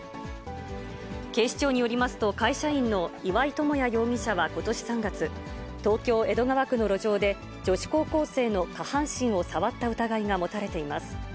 警視庁によりますと、会社員の岩井友哉容疑者はことし３月、東京・江戸川区の路上で、女子高校生の下半身を触った疑いが持たれています。